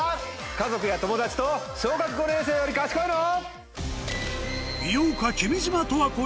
家族や友達と『小学５年生より賢いの？』。